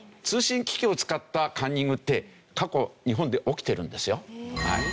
通信機器を使ったカンニングって過去日本で起きてるんですよ。